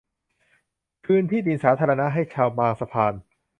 คืนที่ดินสาธารณะให้ชาวบางสะพาน